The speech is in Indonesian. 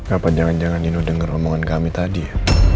apa jangan jangan nino dengar omongan kami tadi ya